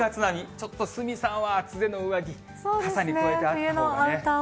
ちょっと鷲見さんは厚手の上着、傘に加えてあったほうがね。